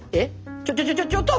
ちょちょちょちょちょっと！